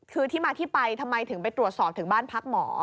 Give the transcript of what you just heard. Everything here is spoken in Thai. คือที่มาที่ไปทำไมถึงไปตรวจสอบถึงบ้านพักหมอ